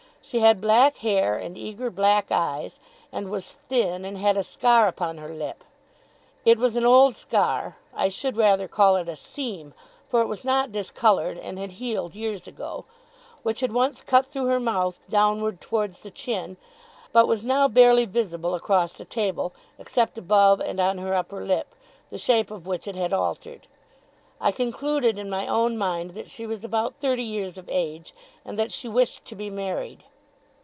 She had black hair and eager black eyes, and was thin, and had a scar upon her lip. It was an old scar I should rather call it seam, for it was not discoloured, and had healed years ago which had once cut through her mouth, downward towards the chin, but was now barely visible across the table, except above and on her upper lip, the shape of which it had altered. I concluded in my own mind that she was about thirty years of age, and that she wished to be married.